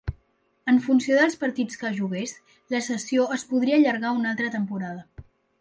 En funció dels partits que jugués, la cessió es podria allargar una altra temporada.